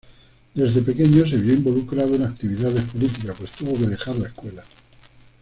Desde pequeño se vio involucrado en actividades políticas, pues tuvo que dejar la escuela.